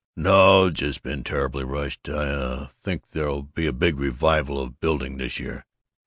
"No, just been terribly rushed. I, uh, I think there'll be a big revival of building this year.